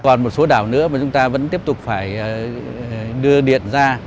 còn một số đảo nữa mà chúng ta vẫn tiếp tục phải đưa điện ra